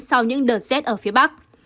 sau những đợt rét ở phía bắc